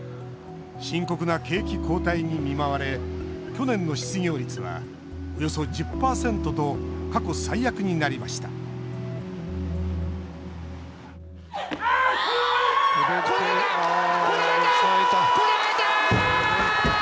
深刻な景気後退に見舞われ去年の失業率は、およそ１０％と過去最悪になりました超えた！